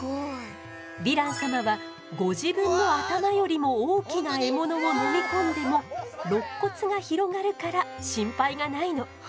ヴィラン様はご自分の頭よりも大きな獲物を飲み込んでもろっ骨が広がるから心配がないの。